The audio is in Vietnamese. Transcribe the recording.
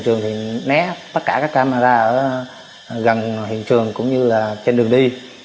trường thì né tất cả các camera ở gần hiện trường cũng như là trên đường đi